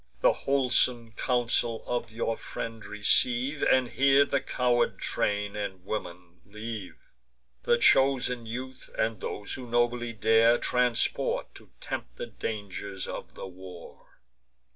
The wholesome counsel of your friend receive, And here the coward train and woman leave: The chosen youth, and those who nobly dare, Transport, to tempt the dangers of the war.